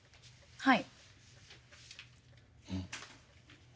はい。